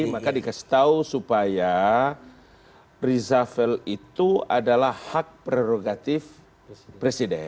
maka dikasih tahu supaya reshuffle itu adalah hak prerogatif presiden